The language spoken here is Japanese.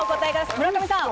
村上さん。